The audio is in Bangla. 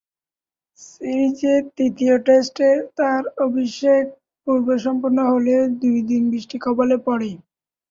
সিরিজের তৃতীয় টেস্টে তার অভিষেক পর্ব সম্পন্ন হলেও দুই দিন বৃষ্টির কবলে পড়ে।